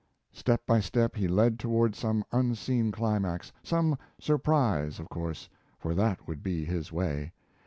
Step by step he led toward some unseen climax some surprise, of course, for that would be his way.